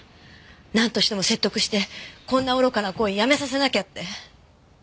なんとしても説得してこんな愚かな行為やめさせなきゃって。